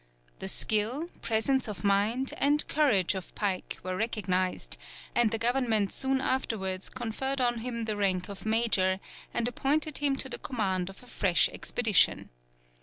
The skill, presence of mind, and courage of Pike were recognized, and the government soon afterwards conferred on him the rank of major, and appointed him to the command of a fresh expedition.